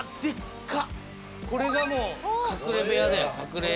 これがもう隠れ部屋だよ隠れ。